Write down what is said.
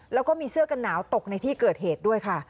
แล้วก็มีเสื้อกันหนาวตกในที่เกิดเหตุด้วยค่ะ